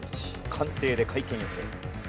官邸で会見予定。